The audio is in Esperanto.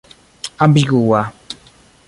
ambigua